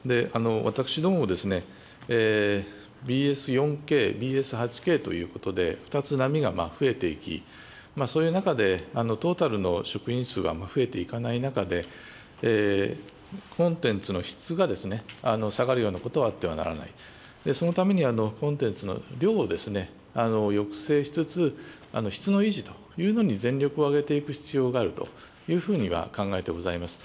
私どももですね、ＢＳ４Ｋ、ＢＳ８Ｋということで、２つ波が増えていき、そういう中でトータルの職員数が増えていかない中で、コンテンツの質が下がるようなことはあってはならない、そのためにコンテンツの量を抑制しつつ、質の維持というのに、全力を挙げていく必要があるというふうには考えてございます。